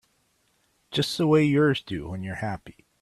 Just the way yours do when you're happy.